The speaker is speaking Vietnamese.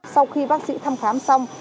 sau khi bác sĩ thăm khám xong